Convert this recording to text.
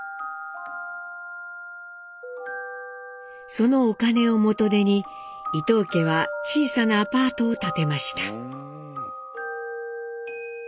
そのお金を元手に伊藤家は小さなアパートを建てました。